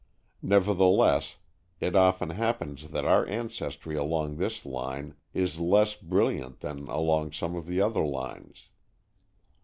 Nevertheless, it often happens that our ancestry along this line is less brilliant than along some of the other lines.